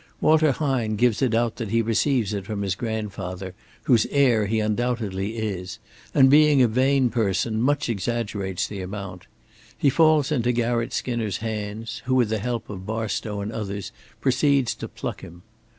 Walter Hine gives it out that he receives it from his grandfather, whose heir he undoubtedly is, and being a vain person much exaggerates the amount. He falls into Garratt Skinner's hands, who, with the help of Barstow and others, proceeds to pluck him.